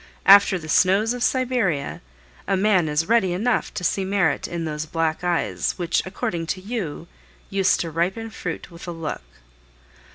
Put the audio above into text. After the snows of Siberia a man is ready enough to see merit in those black eyes, which according to you, used to ripen fruit with a look.